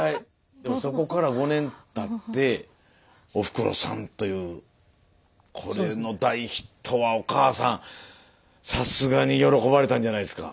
でもそこから５年たって「おふくろさん」というこれの大ヒットはお母さんさすがに喜ばれたんじゃないんですか？